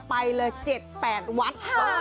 ไปเลย๗๘วัด